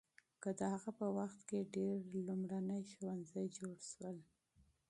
د هغه په وخت کې ډېر لومړني ښوونځي جوړ شول.